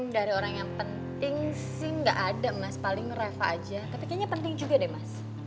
dari orang yang penting sih nggak ada mas paling reva aja tapi kayaknya penting juga deh mas